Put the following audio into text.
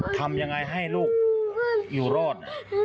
ทำยังไงให้ลูกอยู่รอด